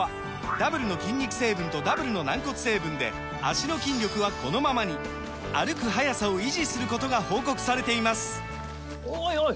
ダブルの筋肉成分とダブルの軟骨成分で脚の筋力はこのままに歩く速さを維持することが報告されていますおいおい！